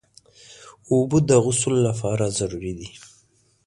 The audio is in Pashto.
اوبه د غسل لپاره ضروري دي.